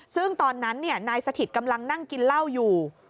ซึ่งตอนนั้นนายสถิตกำลังนั่งกินเหล้าอยู่